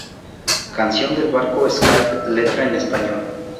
Canción del Barco Skye, letra en español.